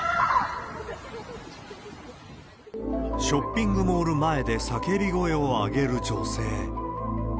ショッピングモール前で叫び声を上げる女性。